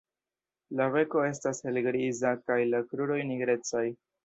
La beko estas helgriza kaj la kruroj nigrecaj.